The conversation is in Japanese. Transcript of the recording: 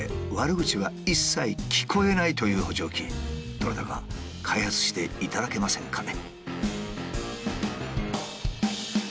どなたか開発していただけませんかね？